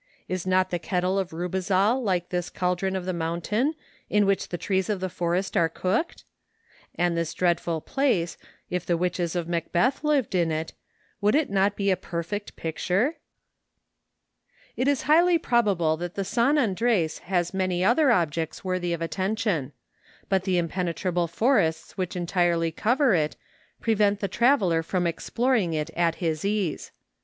Is not the kettle of Rubezahl like this caldron of the mountain, in which the trees of the forest are cooked ? And this dreadful place — if the witches of Macbeth lived in it — would it not be a perfect picture ? It is highly probable that the San Andres has many other objects worthy of attention; but the impenetrable forests which entirely cover it, pre DISCOVERY OF AN ANCIENT VOLCANO. 277 vent the traveller from exploring it at his ease.